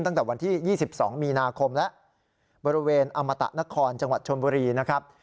ตั้งแต่วันที่๒๒มีนาคมแล้วบริเวณอมตะนครจังหวัดชนบุรีนะครับ